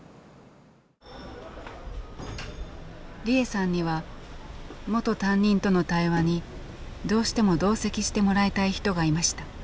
利枝さんには元担任との対話にどうしても同席してもらいたい人がいました。